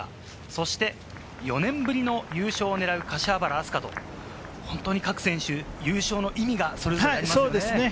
そして４年ぶりの優勝を狙う柏原明日架と、本当に各選手、優勝の意味がそれぞれありますね。